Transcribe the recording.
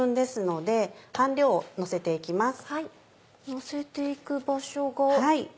のせて行く場所が。